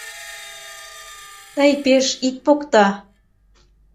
Тый пеш ит покто.